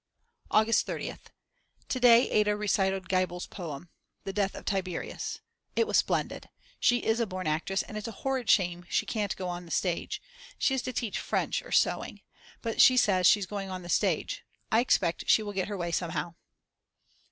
August 30th. To day Ada recited Geibel's poem, The Death of Tiberius, it was splendid; she is a born actress and it's a horrid shame she can't go on the stage; she is to teach French or sewing. But she says she's going on the stage; I expect she will get her way somehow.